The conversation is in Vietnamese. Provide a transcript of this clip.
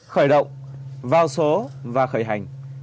khởi động vào số và khởi hành